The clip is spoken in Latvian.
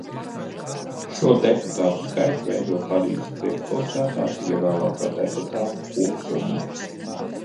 Šo deputātu skaitu veido Parīzes priekšpilsētās ievēlēto deputātu kopsumma.